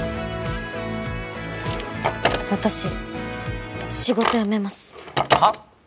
私仕事辞めますはっ！？